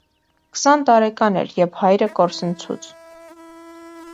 Քսան տարեկան էր երբ հայրը կորսնցուց։